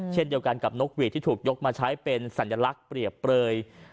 เช่นเดียวกันกับนกหวีดที่ถูกยกมาใช้เป็นสัญลักษณ์เปรียบเปลย